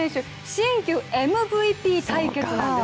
新旧ＭＶＰ対決なんです。